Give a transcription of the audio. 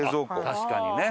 確かにね。